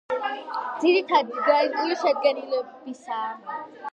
ძირითადად გრანიტული შედგენილობისაა.